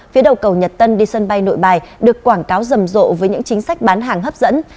phía đầu cầu nhật tân đi sân bay nội bài được quảng cáo rầm rộ với những chính sách bán hàng hấp dẫn